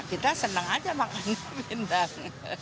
ya kita senang aja makan pindang